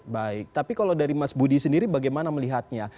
baik tapi kalau dari mas budi sendiri bagaimana melihatnya